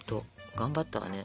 頑張ったわね。